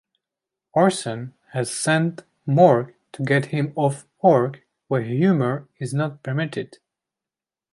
Orson has sent Mork to get him off Ork, where humor is not permitted.